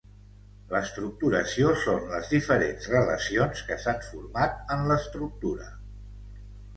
L’estructuració són les diferents relacions que s’han format en l’estructura.